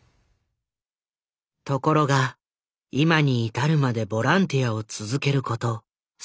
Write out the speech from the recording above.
ところが今に至るまでボランティアを続けること３０年。